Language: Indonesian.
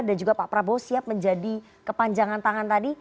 dan juga pak prabowo siap menjadi kepanjangan tangan tadi